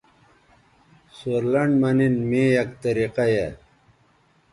سورلنڈ مہ نِن می یک طریقہ یائ